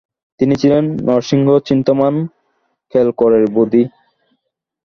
তিনি ছিলেন নরসিংহ চিন্তামন কেলকরের বৌদি।